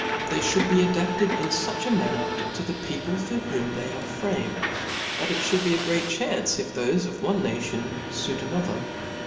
They fhould be adapted in foch a manner to the people for whom they are framed, that if; is a great chance if thofe of one nation fuic another.